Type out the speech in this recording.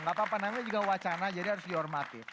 gak apa apa namanya juga wacana jadi harus dihormatin